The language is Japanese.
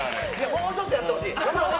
もうちょっとやってほしい。